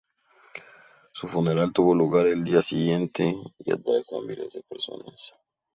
Su funeral tuvo lugar al día siguiente y atrajo a miles de personas.